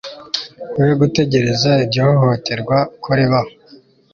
we gutegereza iryo hohoterwa ko ribaho